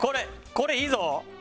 これいいぞ！